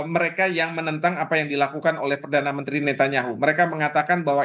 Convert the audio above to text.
mereka yang menentang apa yang dilakukan oleh perdana menteri netanyahu mereka mengatakan bahwa